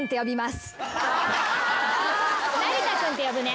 成田君って呼ぶね。